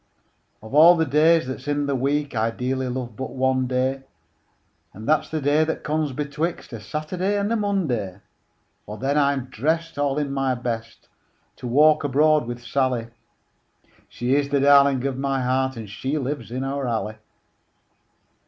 Of all the days that's in the week I dearly love but one day And that's the day that comes betwixt A Saturday and Monday; For then I'm drest all in my best To walk abroad with Sally; She is the darling of my heart, And she lives in our alley.